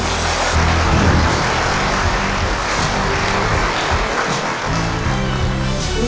ขอบคุณครับ